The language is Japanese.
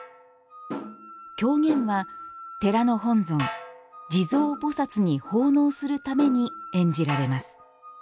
狂言は、寺の本尊・地蔵菩薩に奉納するために演じられます。